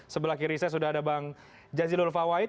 sebelah kiri saya sudah ada bang jazilul fawait